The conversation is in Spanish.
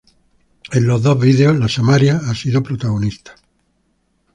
En los dos vídeos, la samaria ha sido la protagonista.